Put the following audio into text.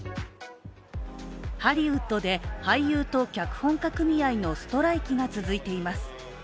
ハリウッドで俳優と脚本家組合のストライキが続いています。